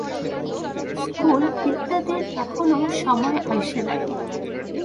School ইত্যাদির এখনও সময় আইসে নাই।